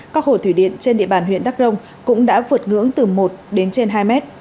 các hồ thủy điện trên địa bàn huyện đắk rông cũng đã vượt ngưỡng từ một đến trên hai mét